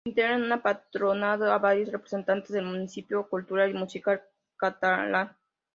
Integra en su Patronato a varios representantes del mundo cultural y musical catalán.